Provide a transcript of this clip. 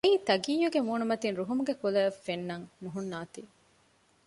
އެއީ ތަގިއްޔުގެ މޫނުމަތިން ރުހުމުގެ ކުލައެއް ފެންނަން ނުހުންނާތީ